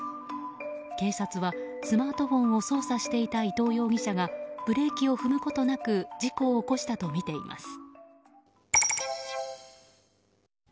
警察は、スマートフォンを操作していた伊藤容疑者がブレーキを踏むことなく事故を起こしたとみています。